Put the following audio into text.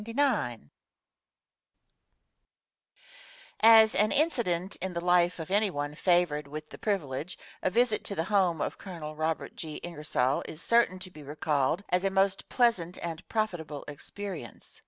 *[* As an incident in the life of any one favored with the privilege, a visit to the home of Col. Robert G. Ingersoll is certain to be recalled as a most pleasant and profitable experience.